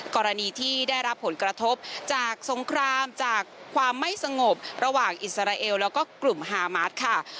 กรณีที่ได้รับผลกระทบจากสงครามจากความไม่สงบระหว่างอิสราเอลแล้วก็กลุ่มฮามาสค่ะ